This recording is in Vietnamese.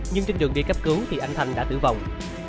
nhưng trên đường đi cấp cứu thì anh thành đã tử vong